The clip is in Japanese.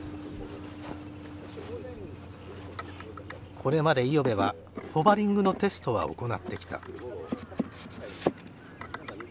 これまで五百部はホバリングのテストは行ってきた。